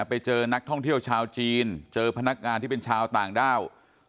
ไปเจอนักท่องเที่ยวชาวจีนเจอพนักงานที่เป็นชาวต่างด้าว